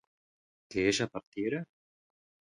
¿que ella partiera?